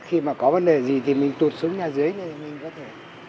khi mà có vấn đề gì thì mình tụt xuống nhà dưới này mình có thể